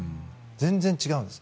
全然違うんです。